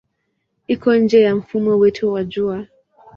Iko nje ya mfumo wetu wa Jua.